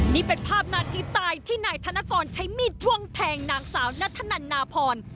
นี่เป็นภาพนาทีตายที่นายธนกรใช้มีดจ้วงแทงนางสาวนัทธนันนาพร